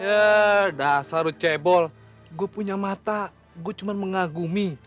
eh dasar lu cebol gue punya mata gue cuma mengagumi